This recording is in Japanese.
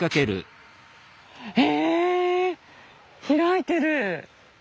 え開いてる！